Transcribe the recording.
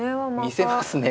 見せますね